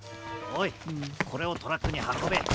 おいこれをトラックにはこべ。